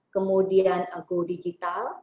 kemudian go digital